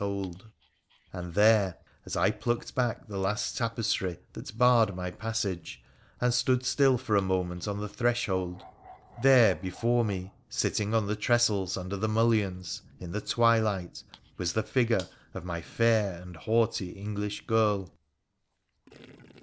156 WONDERFUL ADVENTURES OF And there, as I plucked back the last tapestry that barred my passage and stood still for a moment on the threshold there before me, sitting on the tressels under the mullions, in the twilight, was the figure of my fair and haughty English girl.